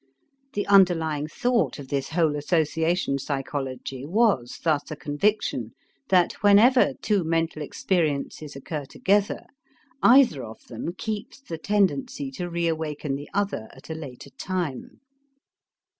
The underlying thought of this whole association psychology was thus a conviction that whenever two mental experiences occur together, either of them keeps the tendency to reawaken the other at a later time.